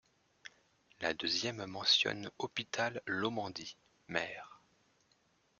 La deuxième mentionne Hospital Lhomandie, Maire.